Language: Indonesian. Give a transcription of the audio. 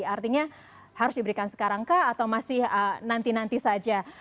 artinya harus diberikan sekarang kah atau masih nanti nanti saja